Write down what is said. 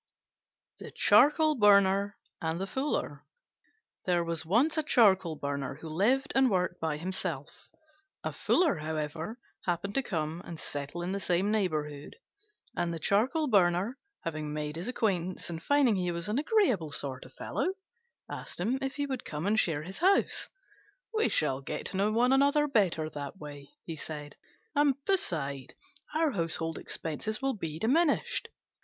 THE CHARCOAL BURNER AND THE FULLER There was once a Charcoal burner who lived and worked by himself. A Fuller, however, happened to come and settle in the same neighbourhood; and the Charcoal burner, having made his acquaintance and finding he was an agreeable sort of fellow, asked him if he would come and share his house: "We shall get to know one another better that way," he said, "and, beside, our household expenses will be diminished."